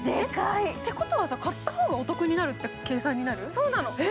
ってことはさ、買った方がお得になるって計算にならない？